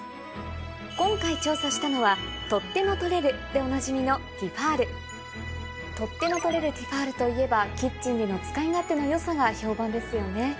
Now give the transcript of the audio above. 今回調査したのは「取っ手のとれる」でおなじみのティファール「取っ手のとれるティファール」といえばキッチンでの使い勝手の良さが評判ですよね。